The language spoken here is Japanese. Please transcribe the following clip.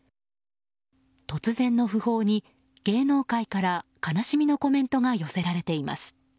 突然の訃報に芸能界から悲しみのコメントが寄せられています。